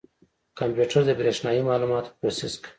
کمپیوټر د برېښنایي معلوماتو پروسس کوي.